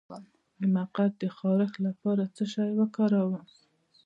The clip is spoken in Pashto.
د مقعد د خارښ لپاره باید څه شی وکاروم؟